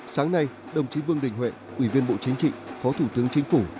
sáng nay đồng chí vương đình huệ ủy viên bộ chính trị phó thủ tướng chính phủ